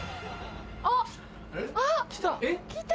あっ！来た！